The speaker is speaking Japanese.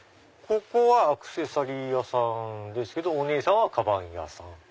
ここはアクセサリー屋さんでお姉さんはカバン屋さん。